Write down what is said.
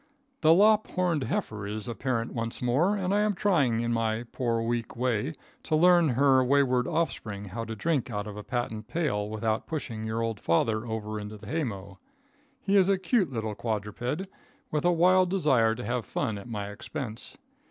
The lop horned heifer is a parent once more, and I am trying in my poor, weak way to learn her wayward offspring how to drink out of a patent pail without pushing your old father over into the hay mow. He is a cute little quadruped, with a wild desire to have fun at my expense.